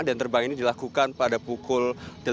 dan terbang ini dilakukan pada pukul delapan tiga puluh